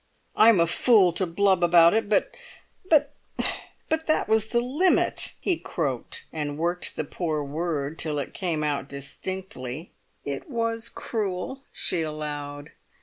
"I'm a fool to blub about it—but—but that was the Limit!" he croaked, and worked the poor word till it came distinctly. "It was cruel," she allowed.